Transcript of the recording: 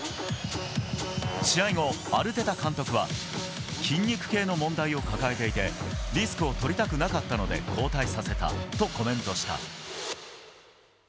試合後、アルテタ監督は、筋肉系の問題を抱えていて、リスクを取りたくなかったので交代させたとコメントした。